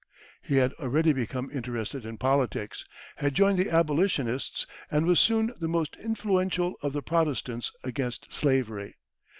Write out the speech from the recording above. He had already become interested in politics, had joined the abolitionists, and was soon the most influential of the protestants against slavery.